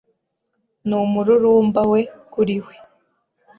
n'umururumba we, kuri we